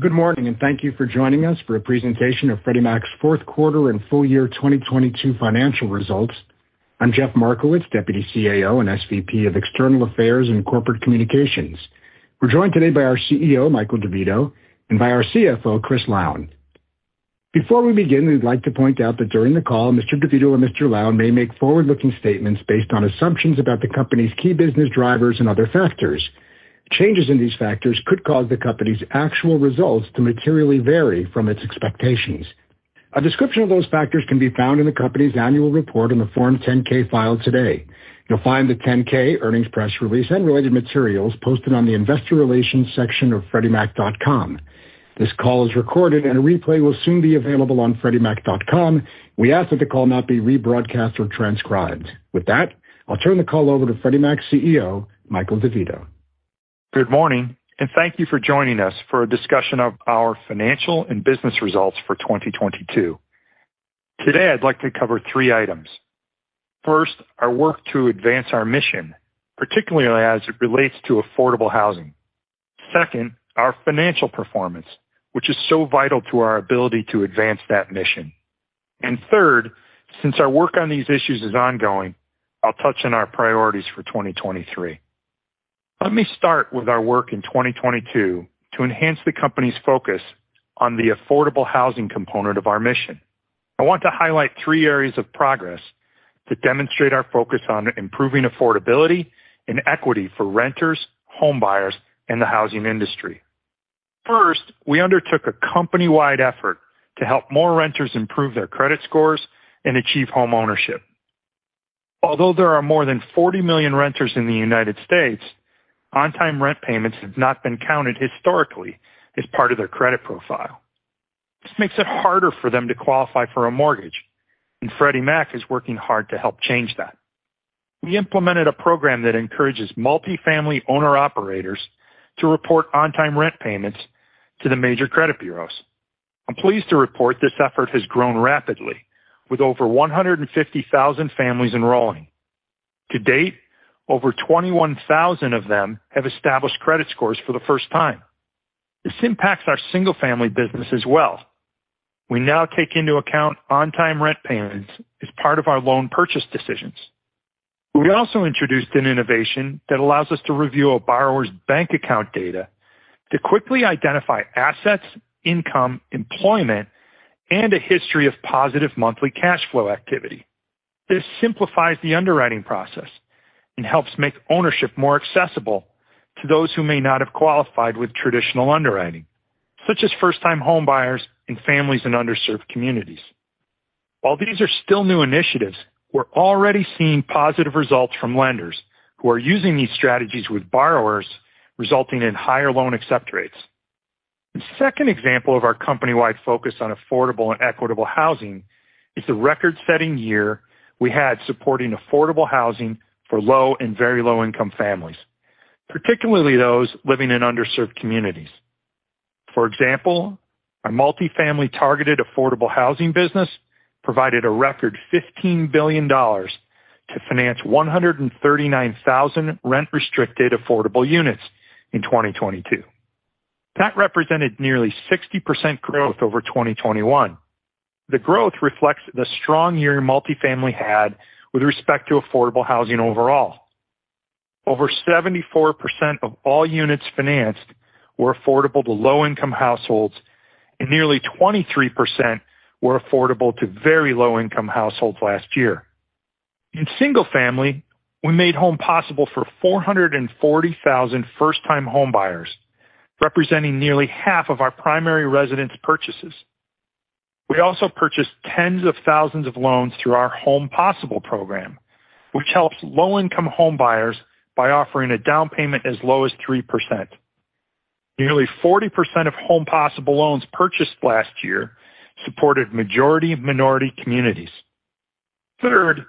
Good morning, and thank you for joining us for a presentation of Freddie Mac's fourth quarter and full year 2022 financial results. I'm Jeff Markowitz, Deputy CAO and SVP of External Affairs and Corporate Communications. We're joined today by our CEO, Michael DeVito, and by our CFO, Christian Lown. Before we begin, we'd like to point out that during the call, Mr. DeVito or Mr. Lown may make forward-looking statements based on assumptions about the company's key business drivers and other factors. Changes in these factors could cause the company's actual results to materially vary from its expectations. A description of those factors can be found in the company's annual report on the Form 10-K filed today. You'll find the 10-K earnings press release and related materials posted on the investor relations section of freddiemac.com. This call is recorded and a replay will soon be available on freddiemac.com. We ask that the call not be rebroadcast or transcribed. With that, I'll turn the call over to Freddie Mac's CEO, Michael DeVito. Good morning, thank you for joining us for a discussion of our financial and business results for 2022. Today, I'd like to cover three items. First, our work to advance our mission, particularly as it relates to affordable housing. Second, our financial performance, which is so vital to our ability to advance that mission. Third, since our work on these issues is ongoing, I'll touch on our priorities for 2023. Let me start with our work in 2022 to enhance the company's focus on the affordable housing component of our mission. I want to highlight three areas of progress to demonstrate our focus on improving affordability and equity for renters, homebuyers, and the housing industry. First, we undertook a company-wide effort to help more renters improve their credit scores and achieve homeownership. Although there are more than 40 million renters in the United States, on-time rent payments have not been counted historically as part of their credit profile. This makes it harder for them to qualify for a mortgage. Freddie Mac is working hard to help change that. We implemented a program that encourages multifamily owner-operators to report on-time rent payments to the major credit bureaus. I'm pleased to report this effort has grown rapidly with over 150,000 families enrolling. To date, over 21,000 of them have established credit scores for the first time. This impacts our Single-Family business as well. We now take into account on-time rent payments as part of our loan purchase decisions. We also introduced an innovation that allows us to review a borrower's bank account data to quickly identify assets, income, employment, and a history of positive monthly cash flow activity. This simplifies the underwriting process and helps make ownership more accessible to those who may not have qualified with traditional underwriting, such as first-time homebuyers and families in underserved communities. While these are still new initiatives, we're already seeing positive results from lenders who are using these strategies with borrowers, resulting in higher loan accept rates. The second example of our company-wide focus on affordable and equitable housing is the record-setting year we had supporting affordable housing for low and very low-income families, particularly those living in underserved communities. For example, our multifamily Targeted Affordable Housing business provided a record $15 billion to finance 139,000 rent-restricted affordable units in 2022. That represented nearly 60% growth over 2021. The growth reflects the strong year multifamily had with respect to affordable housing overall. Over 74% of all units financed were affordable to low-income households, and nearly 23% were affordable to very low-income households last year. In Single-Family, we made Home Possible for 440,000 first-time homebuyers, representing nearly half of our primary residence purchases. We also purchased tens of thousands of loans through our Home Possible program, which helps low-income homebuyers by offering a down payment as low as 3%. Nearly 40% of Home Possible loans purchased last year supported majority-minority communities. Third,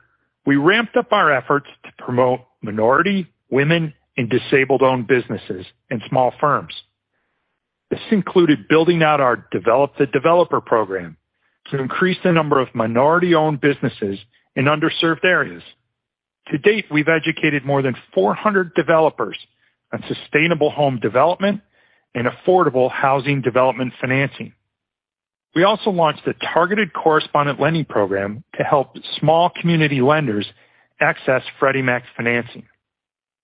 we ramped up our efforts to promote minority, women, and disabled-owned businesses and small firms. This included building out our Develop the Developer program to increase the number of minority-owned businesses in underserved areas. To date, we've educated more than 400 developers on sustainable home development and affordable housing development financing. We also launched a targeted correspondent lending program to help small community lenders access Freddie Mac's financing.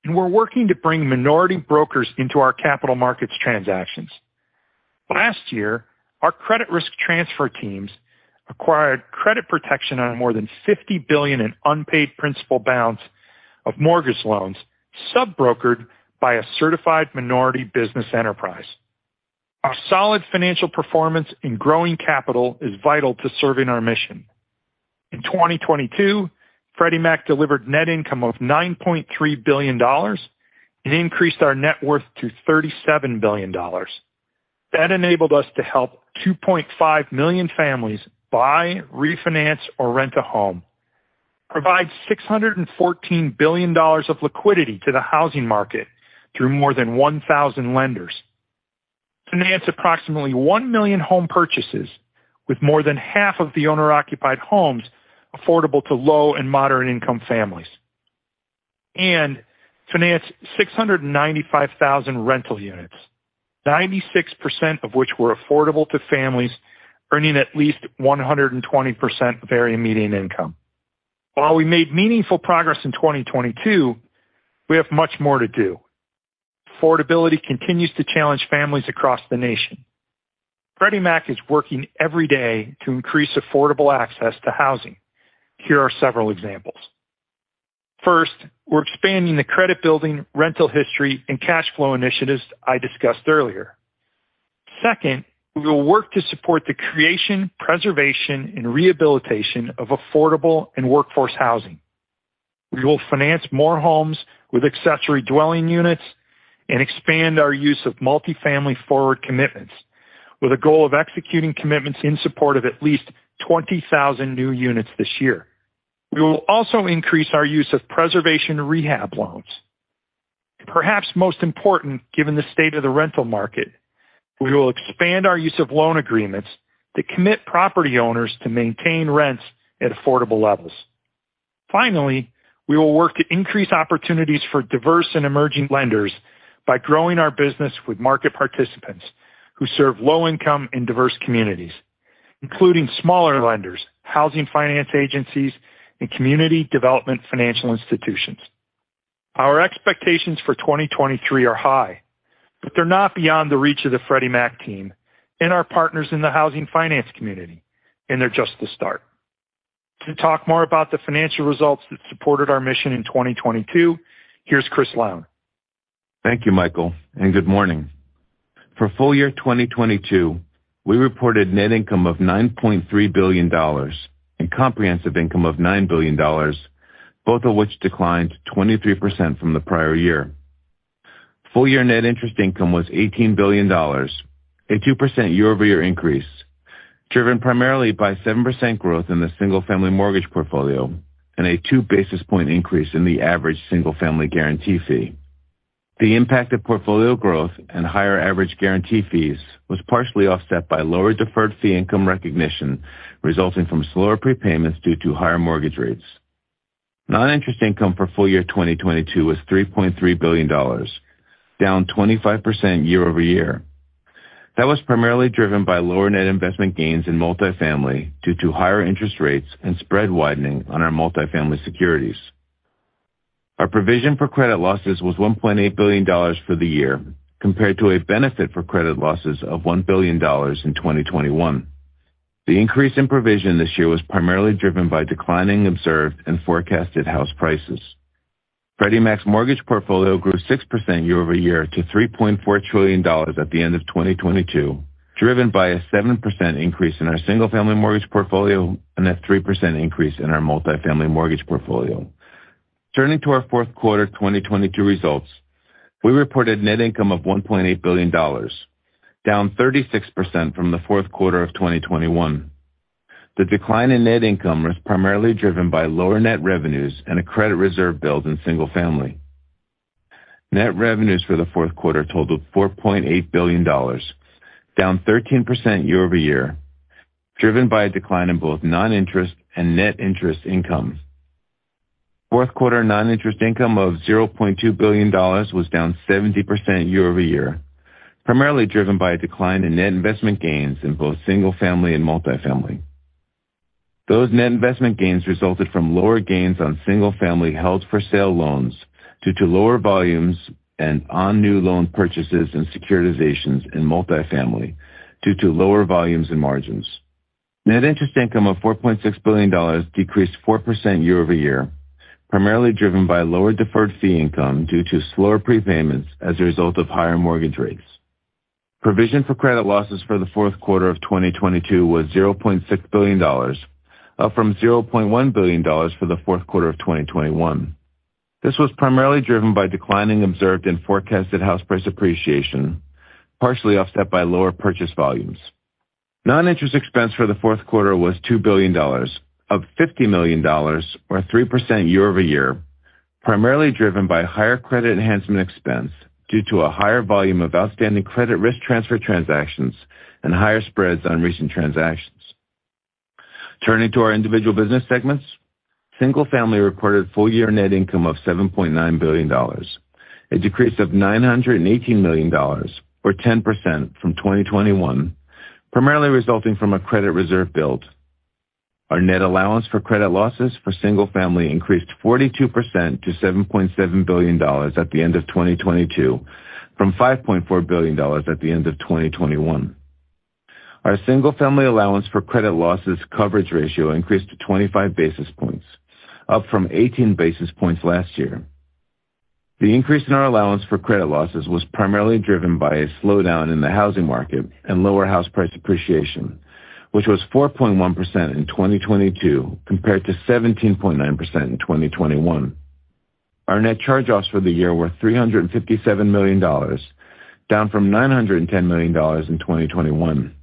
We're working to bring minority brokers into our capital markets transactions. Last year, our Credit Risk Transfer teams acquired credit protection on more than $50 billion in unpaid principal balance of mortgage loans sub-brokered by a certified minority business enterprise. Our solid financial performance and growing capital is vital to serving our mission. In 2022, Freddie Mac delivered net income of $9.3 billion and increased our net worth to $37 billion. That enabled us to help 2.5 million families buy, refinance, or rent a home, provide $614 billion of liquidity to the housing market through more than 1,000 lenders, finance approximately 1 million home purchases with more than half of the owner-occupied homes affordable to low and moderate-income families. Financed 695,000 rental units, 96% of which were affordable to families earning at least 120% of Area Median Income. While we made meaningful progress in 2022, we have much more to do. Affordability continues to challenge families across the nation. Freddie Mac is working every day to increase affordable access to housing. Here are several examples. First, we're expanding the credit building, rental history, and cash flow initiatives I discussed earlier. We will work to support the creation, preservation, and rehabilitation of affordable and workforce housing. We will finance more homes with accessory dwelling units and expand our use of multifamily Forward Commitments with a goal of executing commitments in support of at least 20,000 new units this year. We will also increase our use of Preservation Rehab loans. Perhaps most important, given the state of the rental market, we will expand our use of loan agreements to commit property owners to maintain rents at affordable levels. We will work to increase opportunities for diverse and emerging lenders by growing our business with market participants who serve low-income and diverse communities, including smaller lenders, Housing Finance Agencies, and Community Development Financial Institutions. Our expectations for 2023 are high, but they're not beyond the reach of the Freddie Mac team and our partners in the housing finance community. They're just the start. To talk more about the financial results that supported our mission in 2022, here's Christian Lown. Thank you, Michael. Good morning. For full year 2022, we reported net income of $9.3 billion and comprehensive income of $9 billion, both of which declined 23% from the prior year. Full year net interest income was $18 billion, a 2% year-over-year increase, driven primarily by 7% growth in the Single-Family mortgage portfolio and a 2 basis point increase in the average Single-Family guarantee fee. The impact of portfolio growth and higher average guarantee fees was partially offset by lower deferred fee income recognition resulting from slower prepayments due to higher mortgage rates. Non-interest income for full year 2022 was $3.3 billion, down 25% year-over-year. That was primarily driven by lower net investment gains in multifamily due to higher interest rates and spread widening on our multifamily securities. Our provision for credit losses was $1.8 billion for the year, compared to a benefit for credit losses of $1 billion in 2021. The increase in provision this year was primarily driven by declining observed and forecasted house prices. Freddie Mac's mortgage portfolio grew 6% year-over-year to $3.4 trillion at the end of 2022, driven by a 7% increase in our Single-Family mortgage portfolio and a 3% increase in our multifamily mortgage portfolio. Turning to our fourth quarter 2022 results, we reported net income of $1.8 billion, down 36% from the fourth quarter of 2021. The decline in net income was primarily driven by lower net revenues and a credit reserve build in Single-Family. Net revenues for the fourth quarter totaled $4.8 billion, down 13% year-over-year, driven by a decline in both non-interest and net interest income. Fourth quarter non-interest income of $0.2 billion was down 70% year-over-year, primarily driven by a decline in net investment gains in both Single-Family and Multifamily. Those net investment gains resulted from lower gains on Single-Family held-for-sale loans due to lower volumes and on new loan purchases and securitizations in Multifamily due to lower volumes and margins. Net interest income of $4.6 billion decreased 4% year-over-year, primarily driven by lower deferred fee income due to slower prepayments as a result of higher mortgage rates. Provision for credit losses for the fourth quarter of 2022 was $0.6 billion, up from $0.1 billion for the fourth quarter of 2021. This was primarily driven by declining observed and forecasted house price appreciation, partially offset by lower purchase volumes. Non-interest expense for the fourth quarter was $2 billion, up $50 million or 3% year-over-year, primarily driven by higher credit enhancement expense due to a higher volume of outstanding Credit Risk Transfer transactions and higher spreads on recent transactions. Turning to our individual business segments. Single-Family reported full year net income of $7.9 billion, a decrease of $918 million or 10% from 2021, primarily resulting from a credit reserve build. Our net allowance for credit losses for Single-Family increased 42% to $7.7 billion at the end of 2022 from $5.4 billion at the end of 2021. Our Single-Family allowance for credit losses coverage ratio increased to 25 basis points, up from 18 basis points last year. The increase in our allowance for credit losses was primarily driven by a slowdown in the housing market and lower house price appreciation, which was 4.1% in 2022 compared to 17.9% in 2021. Our net charge-offs for the year were $357 million, down from $910 million in 2021.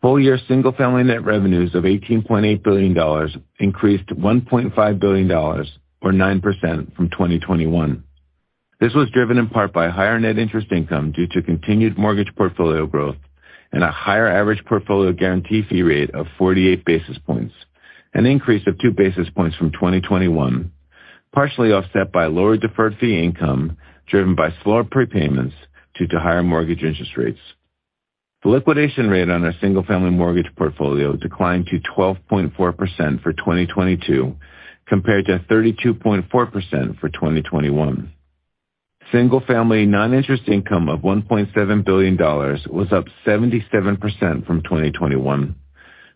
Full year Single-Family net revenues of $18.8 billion increased $1.5 billion or 9% from 2021. This was driven in part by higher net interest income due to continued mortgage portfolio growth and a higher average portfolio guarantee fee rate of 48 basis points, an increase of 2 basis points from 2021, partially offset by lower deferred fee income, driven by slower prepayments due to higher mortgage interest rates. The liquidation rate on our single-family mortgage portfolio declined to 12.4% for 2022 compared to 32.4% for 2021. Single-Family non-interest income of $1.7 billion was up 77% from 2021,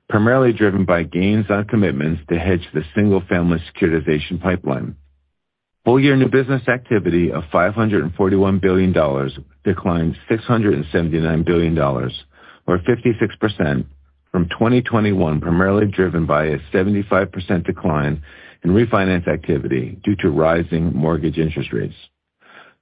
primarily driven by gains on commitments to hedge the Single-Family Securitization Pipeline. Full year new business activity of $541 billion declined $679 billion, or 56% from 2021, primarily driven by a 75% decline in refinance activity due to rising mortgage interest rates.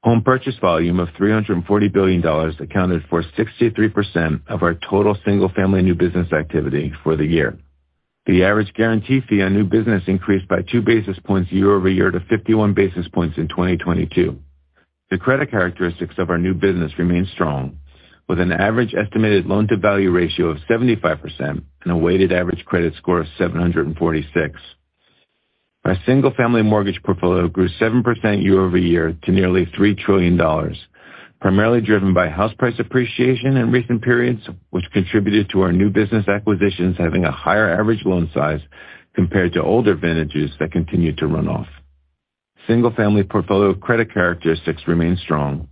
Home purchase volume of $340 billion accounted for 63% of our total Single-Family new business activity for the year. The average guarantee fee on new business increased by 2 basis points year-over-year to 51 basis points in 2022. The credit characteristics of our new business remain strong with an average estimated loan-to-value ratio of 75% and a weighted average credit score of 746. Our Single-Family mortgage portfolio grew 7% year-over-year to nearly $3 trillion, primarily driven by house price appreciation in recent periods, which contributed to our new business acquisitions having a higher average loan size compared to older vintages that continued to run off. Single-Family portfolio credit characteristics remain strong,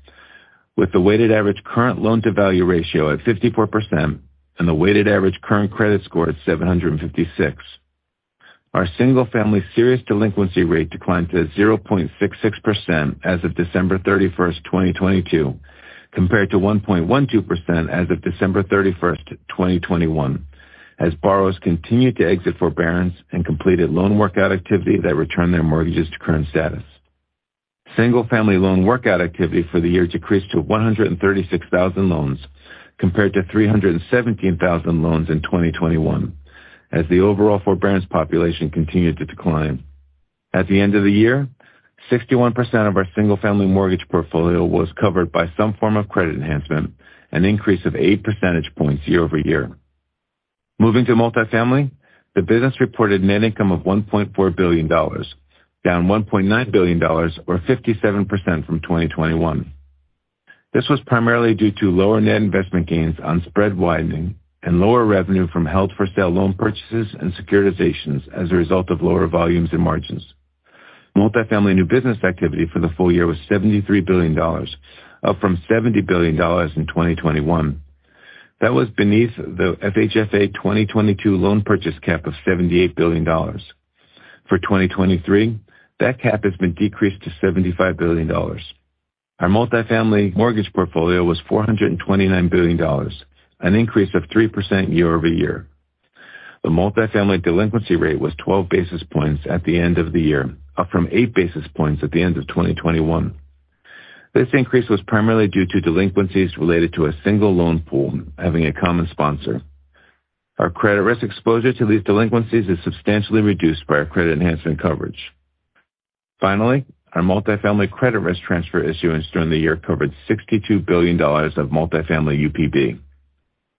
with the weighted average current loan-to-value ratio at 54% and the weighted average current credit score at 756. Our Single-Family serious delinquency rate declined to 0.66% as of December 31, 2022, compared to 1.12% as of December 31, 2021, as borrowers continued to exit Forbearance and completed Loan Workout activity that returned their mortgages to current status. Single-Family Loan Workout activity for the year decreased to 136,000 loans compared to 317,000 loans in 2021 as the overall Forbearance population continued to decline. At the end of the year, 61% of our Single-Family mortgage portfolio was covered by some form of credit enhancement, an increase of 8 percentage points year-over-year. Moving to Multifamily, the business reported net income of $1.4 billion, down $1.9 billion, or 57% from 2021. This was primarily due to lower net investment gains on spread widening and lower revenue from held-for-sale loan purchases and securitizations as a result of lower volumes and margins. Multifamily new business activity for the full year was $73 billion, up from $70 billion in 2021. That was beneath the FHFA 2022 loan purchase cap of $78 billion. For 2023, that cap has been decreased to $75 billion. Our multifamily mortgage portfolio was $429 billion, an increase of 3% year-over-year. The multifamily delinquency rate was 12 basis points at the end of the year, up from 8 basis points at the end of 2021. This increase was primarily due to delinquencies related to a single loan pool having a common sponsor. Our credit risk exposure to these delinquencies is substantially reduced by our credit enhancement coverage. Our multifamily credit risk transfer issuance during the year covered $62 billion of multifamily UPB.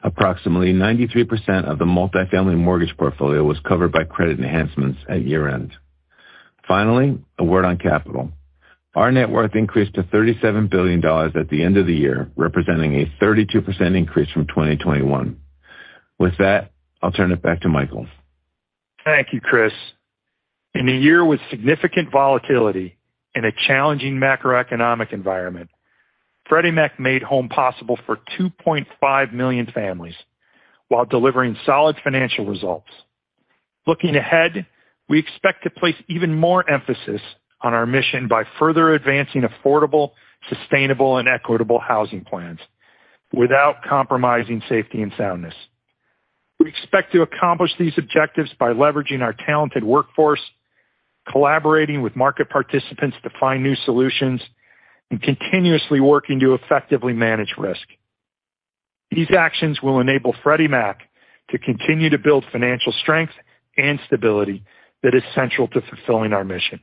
Approximately 93% of the multifamily mortgage portfolio was covered by credit enhancements at year-end. A word on capital. Our net worth increased to $37 billion at the end of the year, representing a 32% increase from 2021. With that, I'll turn it back to Michael. Thank you, Chris. In a year with significant volatility and a challenging macroeconomic environment, Freddie Mac made home possible for 2.5 million families while delivering solid financial results. Looking ahead, we expect to place even more emphasis on our mission by further advancing affordable, sustainable and equitable housing plans without compromising safety and soundness. We expect to accomplish these objectives by leveraging our talented workforce, collaborating with market participants to find new solutions, and continuously working to effectively manage risk. These actions will enable Freddie Mac to continue to build financial strength and stability that is central to fulfilling our mission.